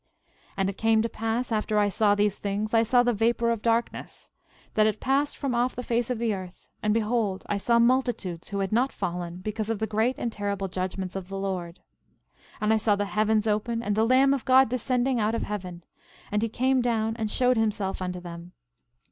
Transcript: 12:5 And it came to pass after I saw these things, I saw the vapor of darkness, that it passed from off the face of the earth; and behold, I saw multitudes who had not fallen because of the great and terrible judgments of the Lord. 12:6 And I saw the heavens open, and the Lamb of God descending out of heaven; and he came down and showed himself unto them.